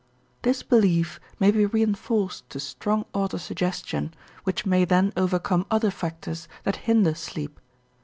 This belief may be reënforced to strong autosuggestion which may then overcome other factors that hinder sleep.